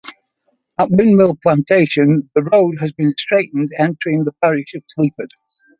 At Windmill plantation, the road has been straightened, entering the parish of Sleaford.